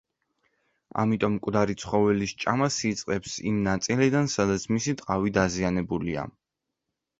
ამიტომ მკვდარი ცხოველის ჭამას იწყებს იმ ნაწილიდან, სადაც მისი ტყავი დაზიანებულია.